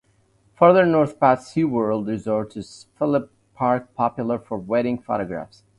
Further north past Seaworld Resort, is Phillip Park popular for wedding photographs.